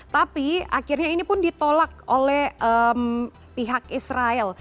tapi akhirnya ini pun ditolak oleh pihak israel